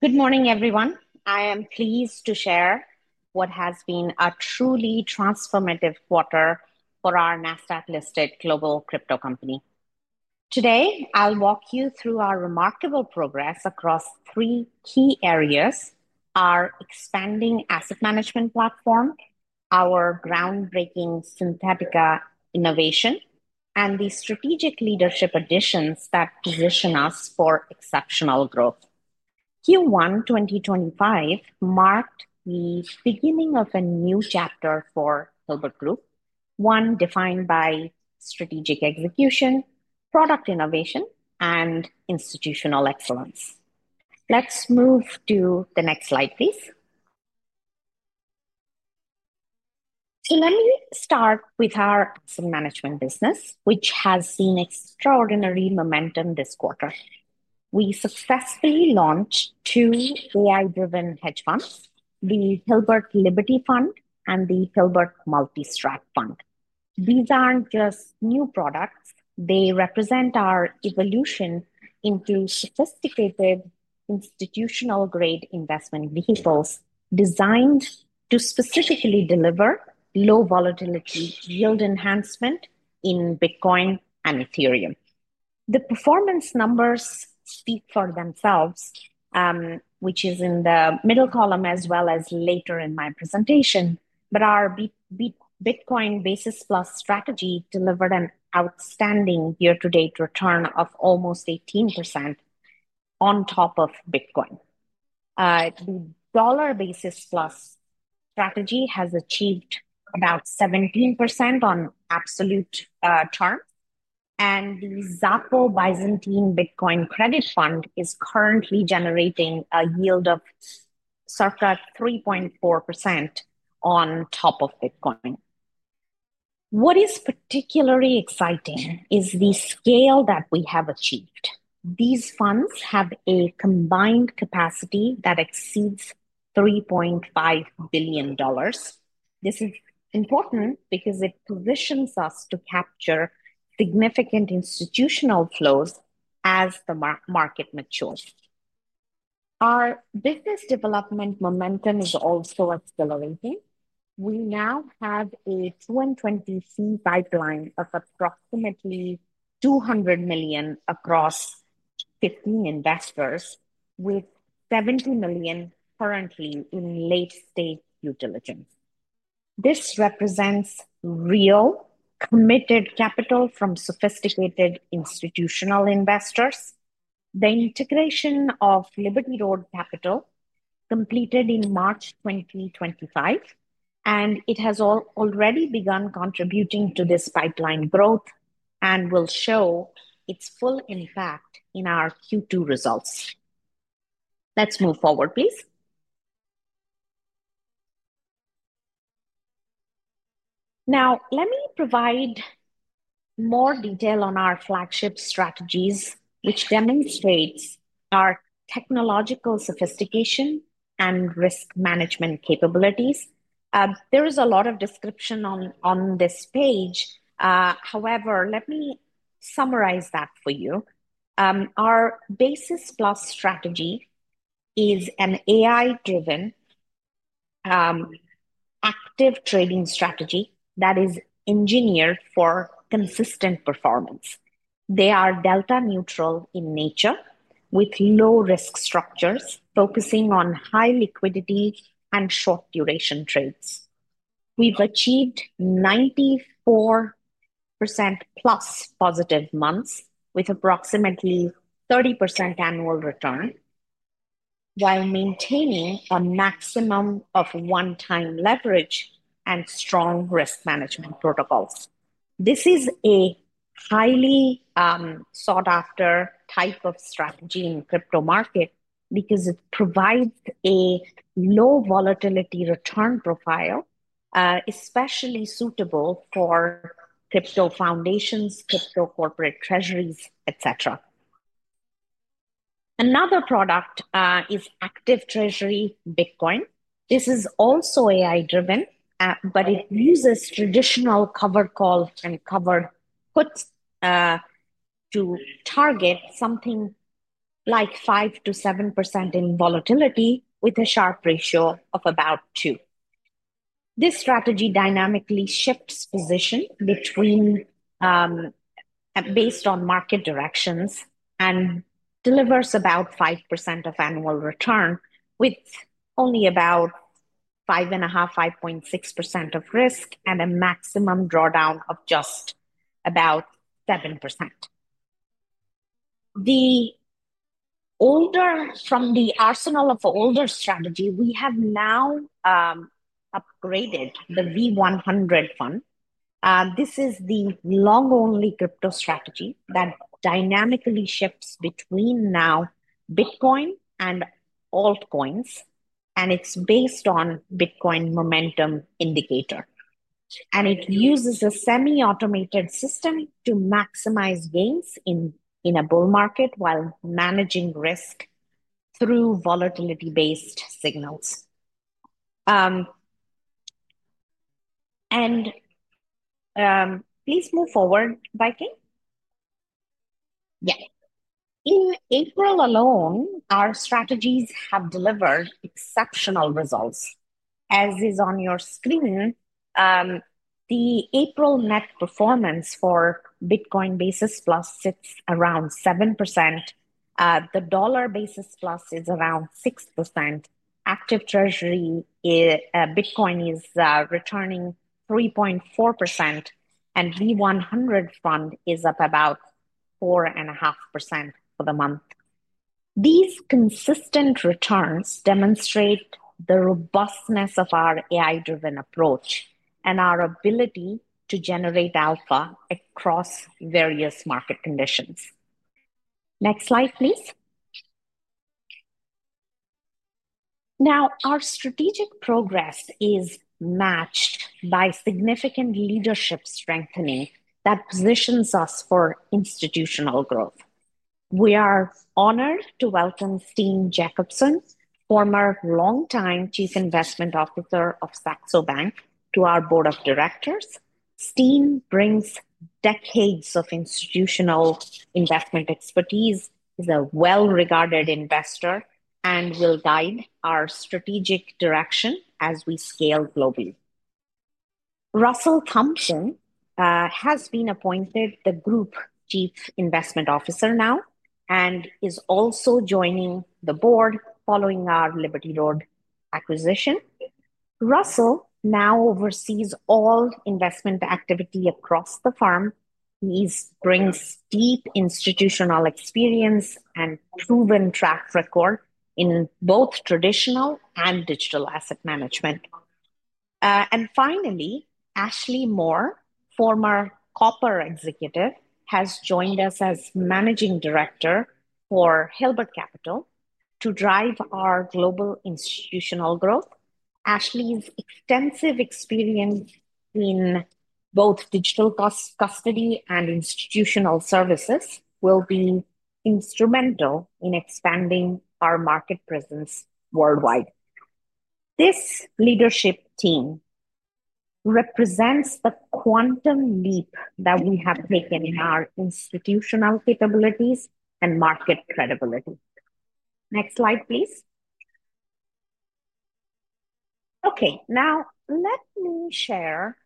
Good morning, everyone. I am pleased to share what has been a truly transformative quarter for our NASDAQ-listed global crypto company. Today, I'll walk you through our remarkable progress across three key areas: our expanding asset management platform, our groundbreaking Synthetica innovation, and the strategic leadership additions that position us for exceptional growth. Q1 2025 marked the beginning of a new chapter for Hilbert Group, one defined by strategic execution, product innovation, and institutional excellence. Let's move to the next slide, please. Let me start with our asset management business, which has seen extraordinary momentum this quarter. We successfully launched two AI-driven hedge funds: the Hilbert Liberty Fund and the Hilbert Multi-Strategy Fund. These aren't just new products; they represent our evolution into sophisticated institutional-grade investment vehicles designed to specifically deliver low-volatility yield enhancement in Bitcoin and Ethereum. The performance numbers speak for themselves, which is in the middle column as well as later in my presentation. Our Bitcoin basis plus strategy delivered an outstanding year-to-date return of almost 18% on top of Bitcoin. The dollar basis plus strategy has achieved about 17% on absolute term, and the Xapo Byzantine Bitcoin Credit Fund is currently generating a yield of circa 3.4% on top of Bitcoin. What is particularly exciting is the scale that we have achieved. These funds have a combined capacity that exceeds $3.5 billion. This is important because it positions us to capture significant institutional flows as the market matures. Our business development momentum is also accelerating. We now have a 2020 fee pipeline of approximately $200 million across 15 investors, with $70 million currently in late-stage due diligence. This represents real, committed capital from sophisticated institutional investors. The integration of Liberty Road Capital completed in March 2025, and it has already begun contributing to this pipeline growth and will show its full impact in our Q2 results. Let's move forward, please. Now, let me provide more detail on our flagship strategies, which demonstrates our technological sophistication and risk management capabilities. There is a lot of description on this page. However, let me summarize that for you. Our basis plus strategy is an AI-driven active trading strategy that is engineered for consistent performance. They are delta neutral in nature, with low-risk structures focusing on high liquidity and short-duration trades. We've achieved 94%+ positive months with approximately 30% annual return, while maintaining a maximum of one-time leverage and strong risk management protocols. This is a highly sought-after type of strategy in the crypto market because it provides a low-volatility return profile, especially suitable for crypto foundations, crypto corporate treasuries, etc. Another product is Active Treasury Bitcoin. This is also AI-driven, but it uses traditional covered calls and covered puts to target something like 5%-7% in volatility with a Sharpe ratio of about 2%. This strategy dynamically shifts position based on market directions and delivers about 5% of annual return with only about 5.5%, 5.6% of risk and a maximum drawdown of just about 7%. From the arsenal of an older strategy, we have now upgraded the V100 fund. This is the long-only crypto strategy that dynamically shifts between now Bitcoin and altcoins, and it's based on the Bitcoin momentum indicator. It uses a semi-automated system to maximize gains in a bull market while managing risk through volatility-based signals. Please move forward, Viking. Yeah. In April alone, our strategies have delivered exceptional results. As is on your screen, the April net performance for Bitcoin basis plus sits around 7%. The dollar basis plus is around 6%. Active Treasury Bitcoin is returning 3.4%, and V100 fund is up about 4.5% for the month. These consistent returns demonstrate the robustness of our AI-driven approach and our ability to generate alpha across various market conditions. Next slide, please. Now, our strategic progress is matched by significant leadership strengthening that positions us for institutional growth. We are honored to welcome Steen Jacobsen, former longtime Chief Investment Officer of Saxo Bank, to our board of directors. Steen brings decades of institutional investment expertise, is a well-regarded investor, and will guide our strategic direction as we scale globally. Russell Thompson has been appointed the Group Chief Investment Officer now and is also joining the board following our Liberty Road acquisition. Russell now oversees all investment activity across the firm. He brings deep institutional experience and proven track record in both traditional and digital asset management. Finally, Ashley Moore, former Copper executive, has joined us as Managing Director for Hilbert Capital to drive our global institutional growth. Ashley's extensive experience in both digital custody and institutional services will be instrumental in expanding our market presence worldwide. This leadership team represents the quantum leap that we have taken in our institutional capabilities and market credibility. Next slide, please. Okay, now let me share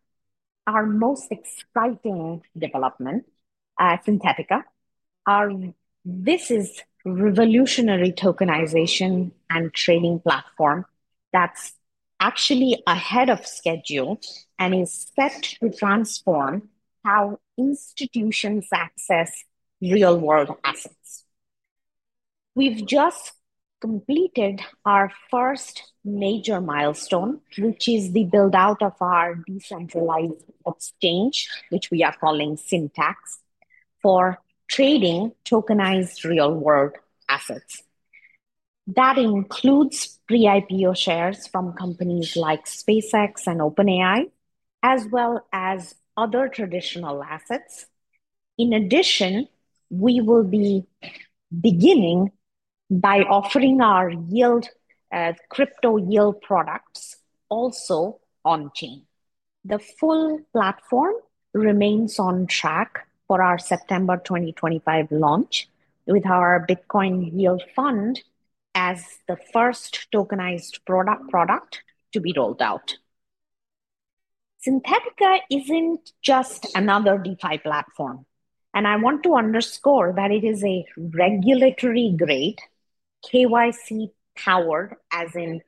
our most exciting development, Synthetica. This is a revolutionary tokenization and trading platform that's actually ahead of schedule and is set to transform how institutions access real-world assets. We've just completed our first major milestone, which is the build-out of our decentralized exchange, which we are calling Syntax, for trading tokenized real-world assets. That includes pre-IPO shares from companies like SpaceX and OpenAI, as well as other traditional assets. In addition, we will be beginning by offering our crypto yield products also on-chain. The full platform remains on track for our September 2025 launch with our Bitcoin yield fund as the first tokenized product to be rolled out. Synthetica isn't just another DeFi platform, and I want to underscore that it is a regulatory-grade, KYC-powered, as in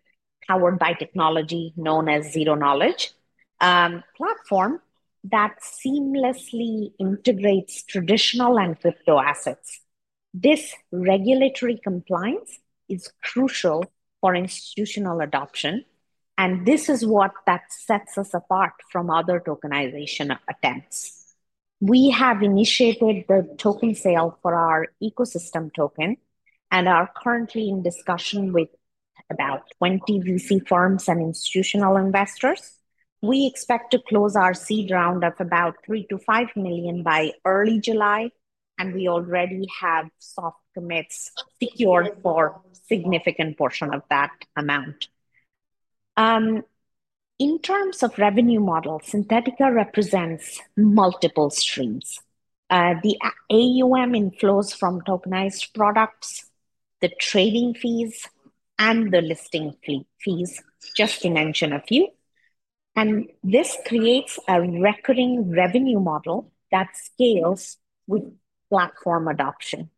powered by technology, known as zero-knowledge platform that seamlessly integrates traditional and crypto assets. This regulatory compliance is crucial for institutional adoption, and this is what sets us apart from other tokenization attempts. We have initiated the token sale for our ecosystem token and are currently in discussion with about 20 VC firms and institutional investors. We expect to close our seed round of about $3-$5 million by early July, and we already have soft commits secured for a significant portion of that amount. In terms of revenue model, Synthetica represents multiple streams. The AUM inflows from tokenized products, the trading fees, and the listing fees, just to mention a few. This creates a recurring revenue model that scales with platform adoption.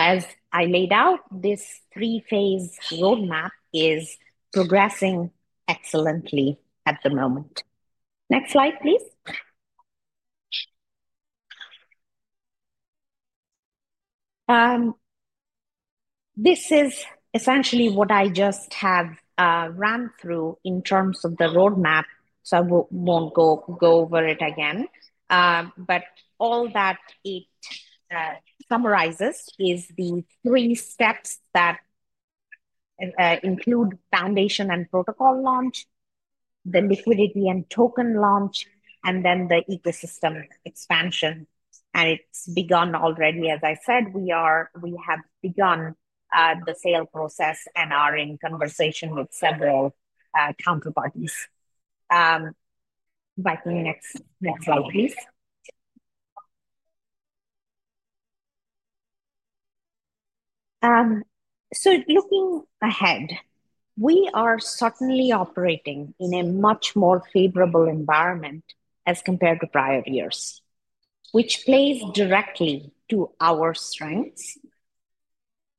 As I laid out, this three-phase roadmap is progressing excellently at the moment. Next slide, please. This is essentially what I just have ran through in terms of the roadmap, so I won't go over it again. All that it summarizes is the three steps that include foundation and protocol launch, the liquidity and token launch, and the ecosystem expansion. It has begun already. As I said, we have begun the sale process and are in conversation with several counterparties. Viking, next slide, please. Looking ahead, we are certainly operating in a much more favorable environment as compared to prior years, which plays directly to our strengths.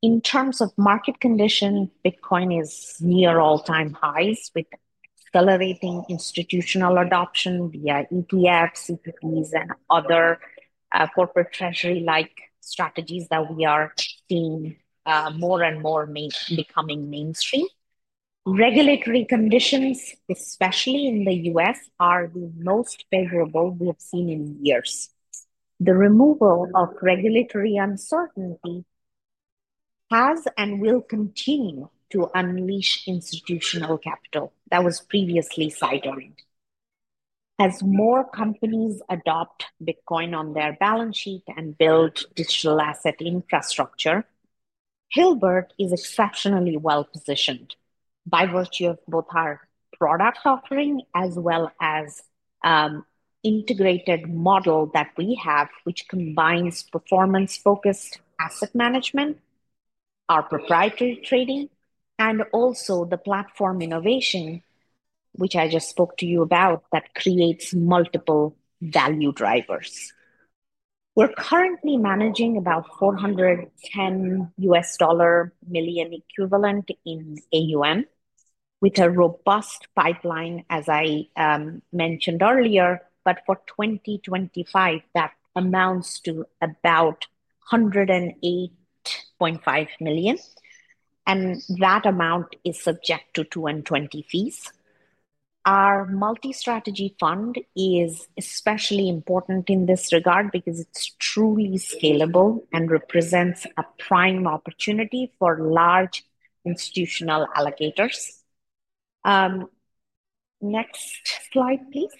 In terms of market condition, Bitcoin is near all-time highs with accelerating institutional adoption via ETFs, ETPs, and other corporate treasury-like strategies that we are seeing more and more becoming mainstream. Regulatory conditions, especially in the U.S., are the most favorable we have seen in years. The removal of regulatory uncertainty has and will continue to unleash institutional capital that was previously sidelined. As more companies adopt Bitcoin on their balance sheet and build digital asset infrastructure, Hilbert is exceptionally well-positioned by virtue of both our product offering as well as the integrated model that we have, which combines performance-focused asset management, our proprietary trading, and also the platform innovation, which I just spoke to you about, that creates multiple value drivers. We're currently managing about $410 million equivalent in AUM with a robust pipeline, as I mentioned earlier, but for 2025, that amounts to about $108.5 million, and that amount is subject to 2020 fees. Our multi-strategy fund is especially important in this regard because it's truly scalable and represents a prime opportunity for large institutional allocators. Next slide, please.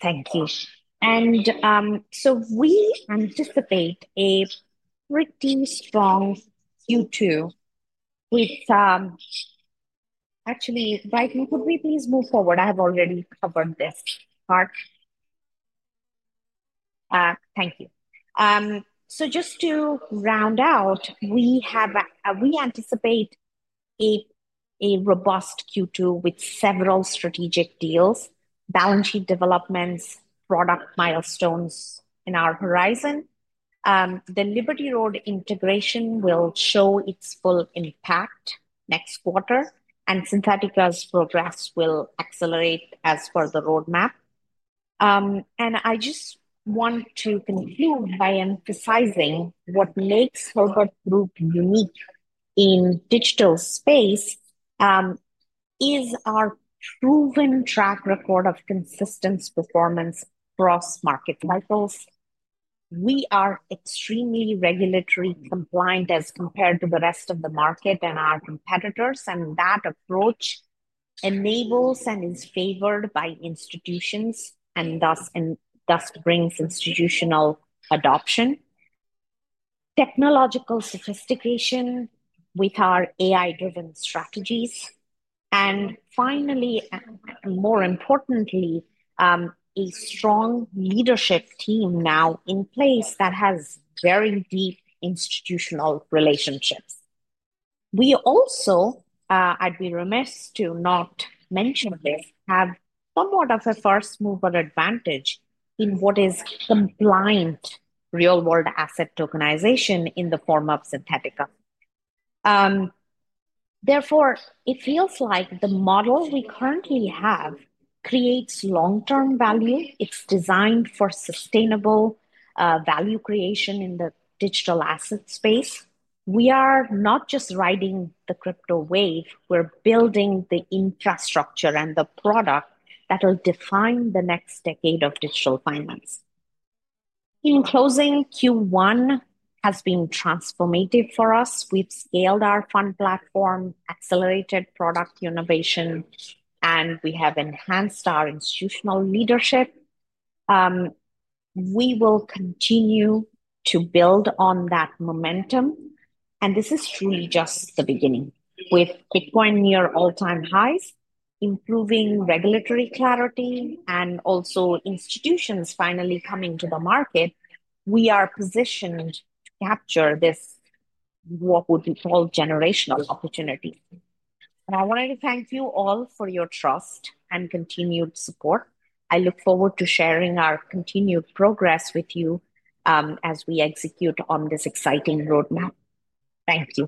Thank you. We anticipate a pretty strong Q2 with actually, Viking, could we please move forward? I have already covered this part. Thank you. Just to round out, we anticipate a robust Q2 with several strategic deals, balance sheet developments, product milestones in our horizon. The Liberty Road integration will show its full impact next quarter, and Synthetica's progress will accelerate as per the roadmap. I just want to conclude by emphasizing what makes Hilbert Group unique in the digital space is our proven track record of consistent performance across market cycles. We are extremely regulatory compliant as compared to the rest of the market and our competitors, and that approach enables and is favored by institutions and thus brings institutional adoption. Technological sophistication with our AI-driven strategies. Finally, and more importantly, a strong leadership team now in place that has very deep institutional relationships. We also, I'd be remiss to not mention this, have somewhat of a first-mover advantage in what is compliant real-world asset tokenization in the form of Synthetica. Therefore, it feels like the model we currently have creates long-term value. It's designed for sustainable value creation in the digital asset space. We are not just riding the crypto wave. We're building the infrastructure and the product that will define the next decade of digital finance. In closing, Q1 has been transformative for us. We've scaled our fund platform, accelerated product innovation, and we have enhanced our institutional leadership. We will continue to build on that momentum. This is truly just the beginning. With Bitcoin near all-time highs, improving regulatory clarity, and also institutions finally coming to the market, we are positioned to capture this, what would be called generational opportunity. I wanted to thank you all for your trust and continued support. I look forward to sharing our continued progress with you as we execute on this exciting roadmap. Thank you.